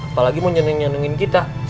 apalagi mau nyenengin kita